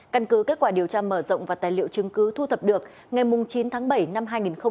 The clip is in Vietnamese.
căn cứ kết quả điều tra mở rộng và tài liệu chứng cứ thu thập được ngày chín tháng bảy năm hai nghìn hai mươi ba